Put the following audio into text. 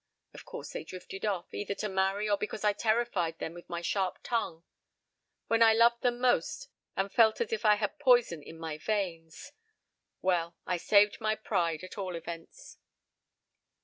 Of course they drifted off, either to marry, or because I terrified them with my sharp tongue: when I loved them most and felt as if I had poison in my veins. Well, I saved my pride, at all events.